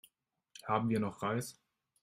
Haben wir noch Reis?